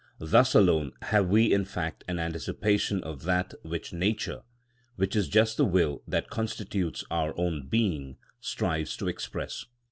Thus alone have we in fact an anticipation of that which nature (which is just the will that constitutes our own being) strives to express.